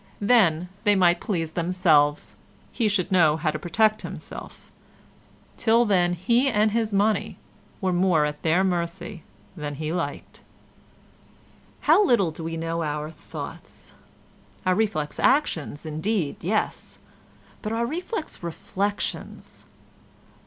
Then they might please themselves; he should know how to protect himself; till then he and his money were more at their mercy than he liked. How little do we know our thoughts—our reflex actions indeed, yes; but our reflex reflections!